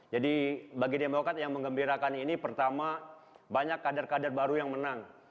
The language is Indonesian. jadi bagi demokrat yang mengembirakan ini pertama banyak kader kader baru yang menang